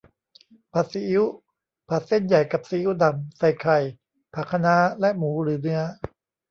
ผัดซีอิ๊ว ผัดเส้นใหญ่กับซีอิ๊วดำ ใส่ไข่ ผักคะน้า และหมูหรือเนื้อ